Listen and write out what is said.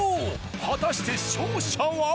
果たして勝者は？